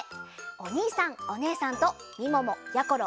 おにいさんおねえさんとみももやころ